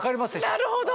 なるほど！